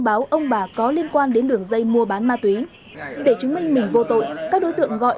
báo ông bà có liên quan đến đường dây mua bán ma túy để chứng minh mình vô tội các đối tượng gọi